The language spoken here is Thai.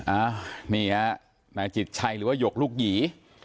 อ้าวนี่ฮะนายจิตชัยหรือว่าหยกลูกหยี